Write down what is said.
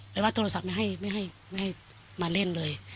ว่าโทรศัพท์ไม่ให้มาเล่นเลย